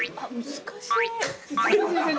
難しい。